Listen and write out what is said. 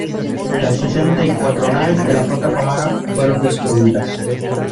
Las sesenta y cuatro naves de la flota romana fueron destruidas.